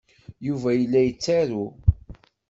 Yuba yella yettaru.